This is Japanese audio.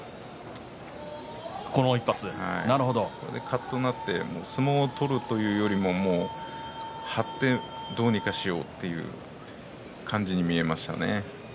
かっとなって相撲を取るというよりも張ってどうにかしようという感じに見えましたね。